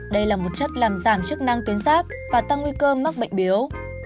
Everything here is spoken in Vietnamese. đây là một chất làm giảm chức năng tuyến giáp và tăng nguy cơ mắc bệnh biếu